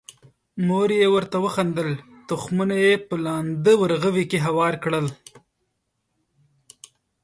مور یې ورته وخندل، تخمونه یې په لانده ورغوي کې هوار کړل.